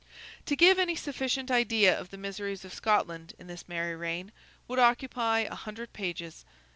To give any sufficient idea of the miseries of Scotland in this merry reign, would occupy a hundred pages.